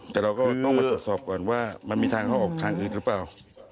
แต่เราก็ต้องมาตรวจสอบก่อนว่ามันมีทางเข้าออกทางอื่นหรือเปล่า